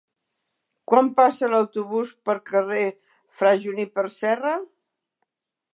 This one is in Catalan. Quan passa l'autobús pel carrer Fra Juníper Serra?